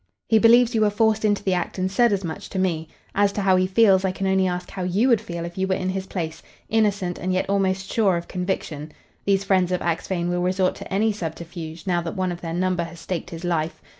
"He believes you were forced into the act and said as much to me. As to how he feels, I can only ask how you would feel if you were in his place, innocent and yet almost sure of conviction. These friends of Axphain will resort to any subterfuge, now that one of their number has staked his life.